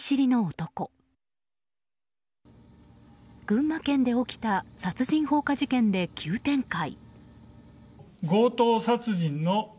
群馬県で起きた殺人放火事件で急展開。